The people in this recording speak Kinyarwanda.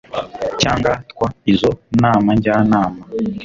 cyangwa tw izo Nama Njyanama